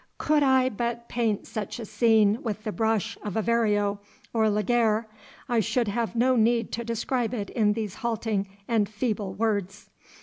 Could I but paint such a scene with the brush of a Verrio or Laguerre, I should have no need to describe it in these halting and feeble words.